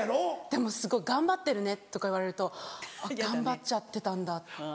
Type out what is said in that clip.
でもすごい「頑張ってるね」とか言われると頑張っちゃってたんだって。